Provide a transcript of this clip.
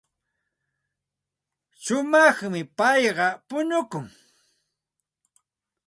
Shumaqmi payqa punukun.